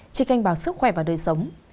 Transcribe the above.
trên kênh báo sức khỏe và đời sống